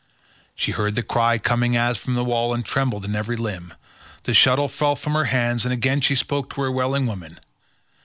She heard the cry coming as from the wall, and trembled in every limb; the shuttle fell from her hands, and again she spoke to her waiting women.